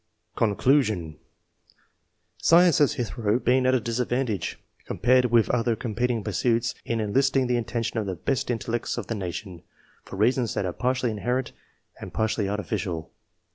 CONCLUSION. Science has hitherto been at a disadvantage, compared with other competing pursuits, in en listing the attention of the best intellects of the nation, for reasons that are partly inherent and partly artificial.